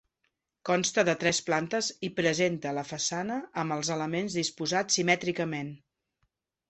Consta de tres plantes i presenta la façana amb els elements disposats simètricament.